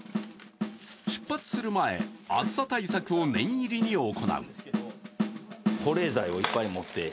出発する前、暑さ対策を念入りに行う。